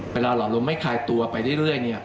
เวลาหลอดลมไม่คลายตัวไปเรื่อยเนี่ย